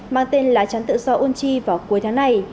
mang tên là trắng tự do ôn chi vào cuối tháng này